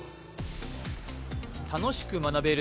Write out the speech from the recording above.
楽しく学べる！